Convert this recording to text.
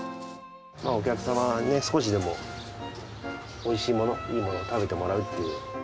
お客様に少しでもおいしいもの、いいものを食べてもらうっていう。